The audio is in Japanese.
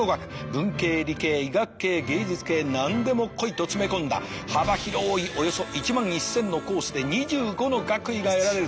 文系理系医学系芸術系何でも来いと詰め込んだ幅広いおよそ１万１，０００のコースで２５の学位が得られるという。